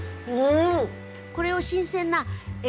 これを新鮮なえ